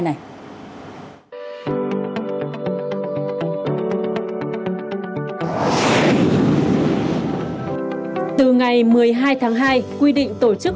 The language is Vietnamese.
ngày một mươi hai tháng hai quy định tổ chức